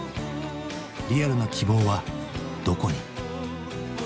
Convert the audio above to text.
リアルな希望はどこに？